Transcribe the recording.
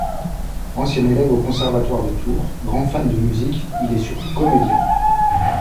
Ancien élève au conservatoire de Tours, grand fan de musique, il est surtout comédien.